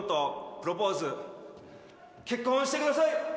プロポーズ結婚してください！